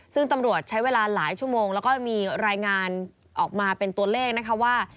ซึ่งตำรวจใช้เวลาหลายชั่วโมงแล้วก็มีรายงานออกมาเป็นตัวเลขนะคะว่า